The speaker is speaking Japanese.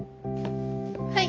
はい！